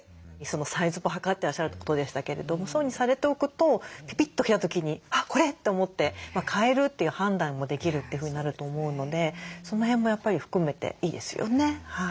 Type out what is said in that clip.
サイズもはかってらっしゃるってことでしたけれどそういうふうにされておくとピピッと来た時にこれ！と思って買えるという判断もできるってふうになると思うのでその辺もやっぱり含めていいですよね。